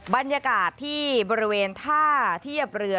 บรรยากาศที่บริเวณท่าเทียบเรือ